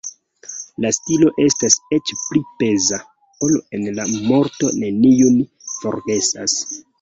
La stilo estas eĉ pli peza ol en La morto neniun forgesas.